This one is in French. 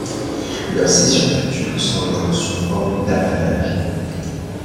Leurs cessions futures sont donc sous forme d'apanage.